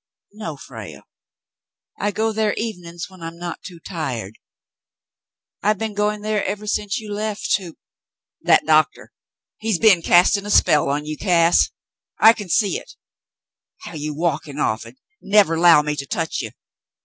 "No, Frale. I go there evenings when I'm not too tired. I've been going there ever since you left to —" 156 The Mountain Girl " That doctali, he's be'n castin' a spell on you, Cass. I kin see hit — how you walkin' off an' nevah 'low me to touch you.